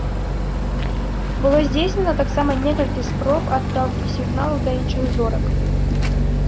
Было здзейснена таксама некалькі спроб адпраўкі сігналаў да іншых зорак.